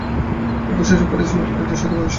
অপুর শৈশব কাটিতেছিল এই প্রকৃতির সহিত ঘনিষ্ঠ সংস্পর্শে।